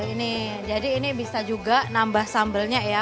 ini jadi ini bisa juga nambah sambalnya ya